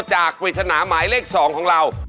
จากวิจารณามายเลข๒ของเรา